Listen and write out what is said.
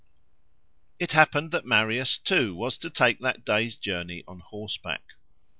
It happened that Marius, too, was to take that day's journey on horseback.